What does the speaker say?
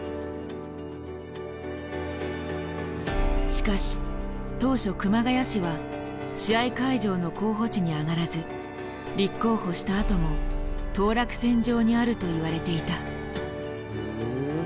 しかし当初熊谷市は試合会場の候補地に挙がらず立候補したあとも当落線上にあると言われていた。